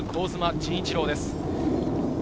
陣一朗です。